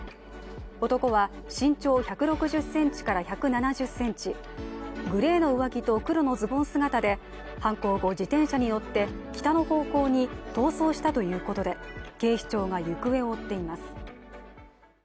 男は身長１６０１７０ｃｍグレーの上着と黒のズボン姿で犯行後自転車に乗って北の方向に逃走したということで、警視庁が行方を追っています。